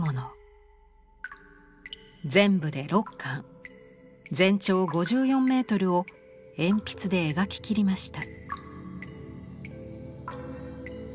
全部で６巻全長５４メートルを鉛筆で描ききりました。